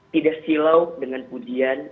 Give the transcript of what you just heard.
tidak silau dengan pujian